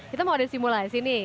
kita mau ada simulasi nih